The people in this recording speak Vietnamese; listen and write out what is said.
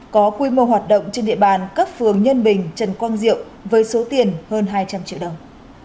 có quy mô hoạt động trên địa bàn các phường nhân bình trần quang diệu với số tiền hơn hai trăm linh triệu đồng